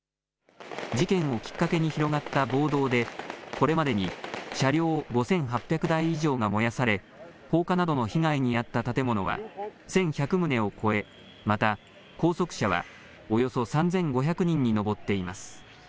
事件をきっかけに広がった暴動でこれまでに車両５８００台以上が燃やされ放火などの被害に遭った建物は１１００棟を超えまた拘束者はおよそ３５００人に上っています。